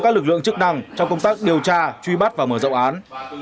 các lực lượng chức năng trong công tác điều tra truy bắt và mở rộng án